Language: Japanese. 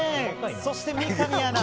そして三上アナ